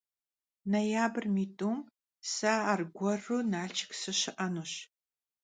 Noyabrım yi t'um se argueru Nalşşık sışı'enuş.